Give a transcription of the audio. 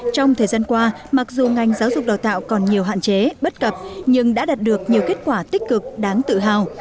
trong thời gian qua mặc dù ngành giáo dục đào tạo còn nhiều hạn chế bất cập nhưng đã đạt được nhiều kết quả tích cực đáng tự hào